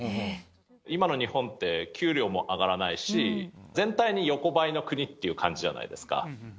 今の日本って、給料も上がらないし、全体に横ばいの国っていう感じじゃないですか。